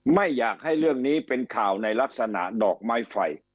ไม่อยากให้เรื่องนี้เป็นข่าวในลักษณะดอกไม้ไฟ